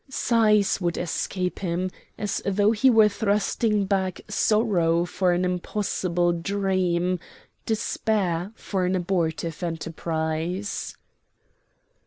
Sighs would escape him as though he were thrusting back sorrow for an impossible dream, despair for an abortive enterprise.